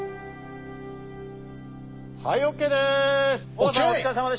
はいＯＫです！ＯＫ！